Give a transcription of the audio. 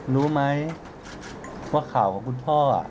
รู้ไหมว่าข่าวของคุณพ่อ